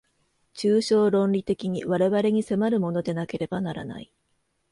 抽象論理的に我々に迫るものでなければならない。